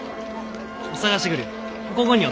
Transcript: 捜してくるよ。